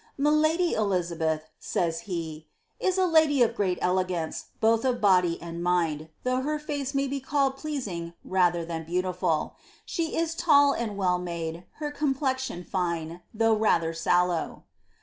^^ Miladi EUiza* beth," says he, ^ is a lady of great elegance, both of body and mind, though her face may be called pleasing rather than beautiful. She is tall and well made, her complexion fine, though rather sallow."